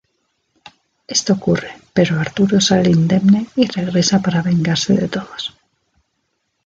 Esto ocurre pero Arturo sale indemne y regresa para vengarse de todos.